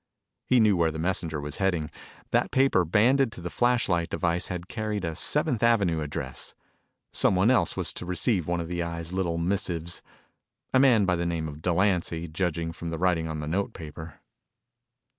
He knew where the messenger was heading. That paper banded to the flashlight device had carried a Seventh Avenue address. Someone else was to receive one of the Eye's little missives. A man by the name of Delancy, judging from the writing on the note paper.